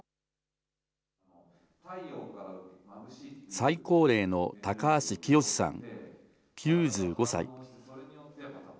最高齢の高橋清さん９５歳。